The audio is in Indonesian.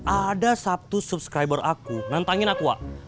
ada satu subscriber aku nantangin aku wak